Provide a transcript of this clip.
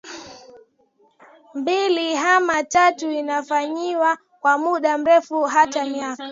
mbili ama tatu inafanyiwa kwa muda mrefu hata miaka